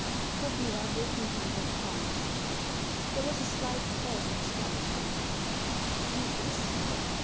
" Put me on eighteen hundred pounds." There was a slight pause of astonishment "Who is he?"